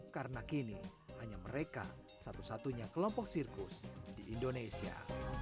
karena kini hanya mereka satu satunya kelompok sirkus di indonesia